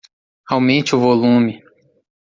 Aumente o volume.